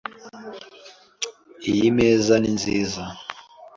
Iyi meza ni nziza .